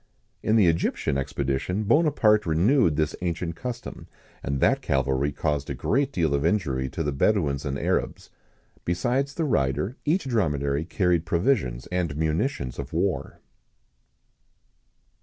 In the Egyptian expedition Bonaparte renewed this ancient custom, and that cavalry caused a great deal of injury to the Bedouins and Arabs. Besides the rider, each dromedary carried provisions and munitions of war.